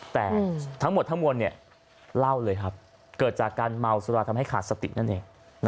แต่ทั้งหมดทั้งมวลเล่าเลยครับเกิดจากการเมาสุราทำให้ขาดสตินั่นเอง